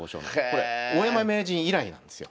これ大山名人以来なんですよ。